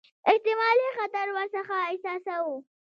احتمالي خطر ورڅخه احساساوه.